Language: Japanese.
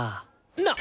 なっ！